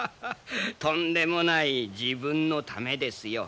とんでもない自分のためですよ。